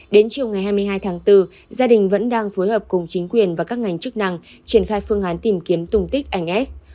đến chiều ngày hai mươi hai tháng bốn gia đình vẫn đang phối hợp cùng chính quyền và các ngành chức năng triển khai phương án tìm kiếm tung tích anh s